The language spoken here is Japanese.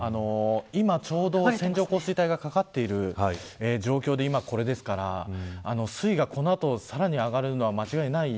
今ちょうど線状降水帯がかかっている状況で今これですから水位が、この後さらに上がるのは間違いない。